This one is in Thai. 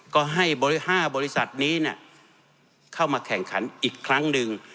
ก็ให้เบอร์๕บริษัทนี้เข้ามาแข่งขันอีกครั้งหนึ่ง